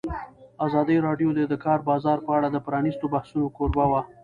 ازادي راډیو د د کار بازار په اړه د پرانیستو بحثونو کوربه وه.